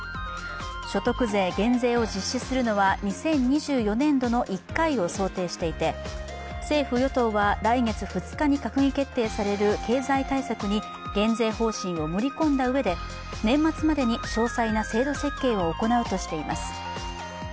所得税減税を実施するのは２０２４年度の１回を想定していて政府・与党は来月２日に閣議決定される経済対策に減税方針を盛り込んだ上で年末までに詳細な制度設計を行うことにしています。